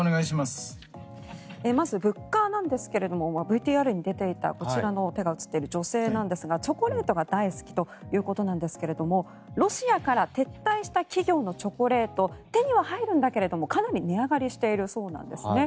まず、物価なんですがＶＴＲに出ていた、こちらの手が映っている女性ですがチョコレートが大好きということなんですけれどもロシアから撤退した企業のチョコレート手には入るんだけどもかなり値上がりしているそうなんですね。